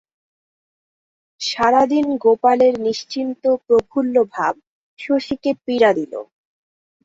সারাদিন গোপালের নিশ্চিন্ত প্রফুল্লভাব শশীকে পীড়া দিল।